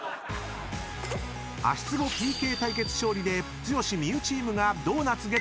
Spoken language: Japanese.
［足つぼＰＫ対決勝利で剛・望結チームがドーナツゲットに王手］